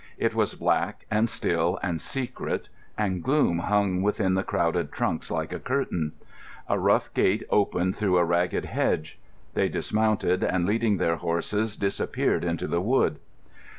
It was black, and still, and secret, and gloom hung within the crowded trunks like a curtain. A rough gate opened through a ragged hedge. They dismounted, and leading their horses, disappeared into the wood.